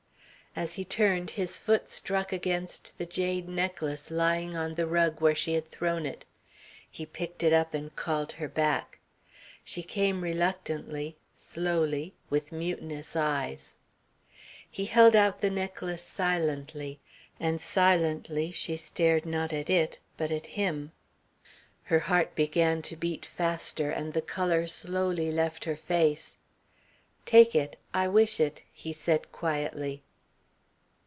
As he turned his foot struck against the jade necklace lying on the rug where she had thrown it. He picked it up and called her back. She came reluctantly, slowly, with mutinous eyes. He held out the necklace silently, and silently she stared not at it but at him. Her heart began to beat faster, and the colour slowly left her face. "Take it. I wish it," he said quietly.